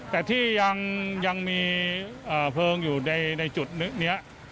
แต่ที่ยังยังมีเอ่อเพลิงอยู่ในในจุดนี้